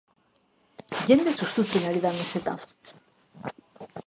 Jendez hustutzen ari da meseta.